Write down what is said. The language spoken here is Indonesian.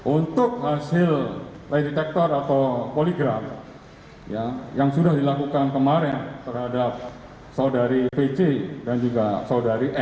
untuk hasil redektor atau poligraf yang sudah dilakukan kemarin terhadap saudari pc dan juga saudari e